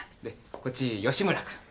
でこっち吉村君。